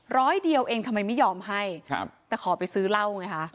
ร้อยเดียวเองทำไมไม่ยอมให้ครับแต่ขอไปซื้อเหล้าไงคะ